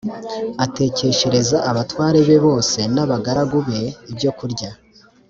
atekeshereza abatware be bose n’abagaragu be ibyokurya